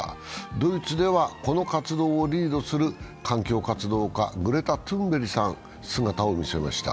ドイツではこの活動をリードする環境活動家、グレタ・トゥンベリさんが姿を見せました。